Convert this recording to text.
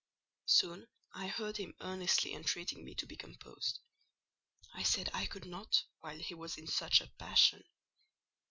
Soon I heard him earnestly entreating me to be composed. I said I could not while he was in such a passion.